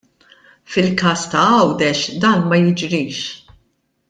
Fil-każ ta' GĦawdex dan ma jiġrix.